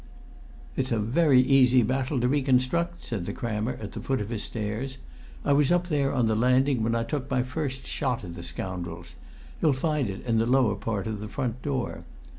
"It's a very easy battle to reconstruct," said the crammer at the foot of his stairs. "I was up there on the landing when I took my first shot at the scoundrels. You'll find it in the lower part of the front door.